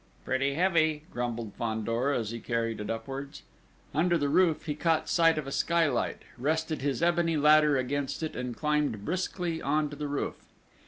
"Pretty heavy!" grumbled Fandor, as he carried it upwards. Under the roof he caught sight of a skylight, rested his ebony ladder against it, and climbed briskly on to the roof.